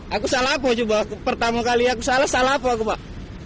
aku salah apa cuma pertama kali aku salah salah apa aku pak